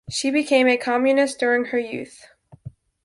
She became a communist during her youth.